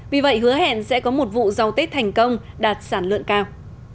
vì vậy hứa hẹn sẽ có một vụ rau tết thành công đạt sản lượng cao